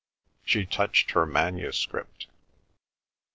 She touched her manuscript.